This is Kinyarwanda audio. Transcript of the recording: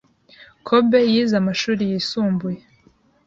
Kobe yize amashuri yisumbuye